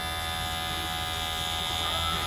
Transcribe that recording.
তুই চলে যা।